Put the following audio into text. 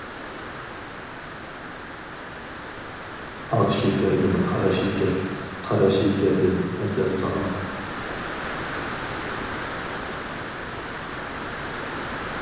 ئاق شېكەردىن قارا شېكەر، قارا شېكەردىن ھەسەل ساغلام.